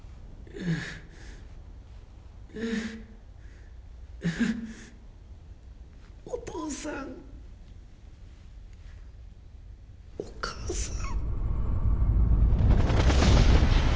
ううっお父さんお母さん